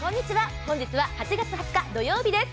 本日は８月２０日土曜日です。